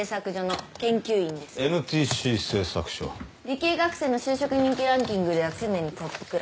理系学生の就職人気ランキングでは常にトップクラス。